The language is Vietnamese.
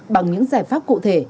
bằng những giải pháp cụ thể